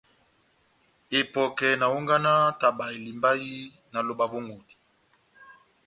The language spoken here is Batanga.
Epɔkɛ na hónganaha taba elimbahi náh lóba vó ŋʼhodi.